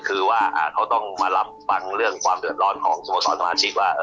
คือว่าเขาต้องมารับฟังเรื่องความเดือดร้อนของสโมสรสมาชิกว่า